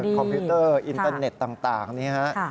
คอมพิวเตอร์อินเตอร์เน็ตต่างนี่ฮะ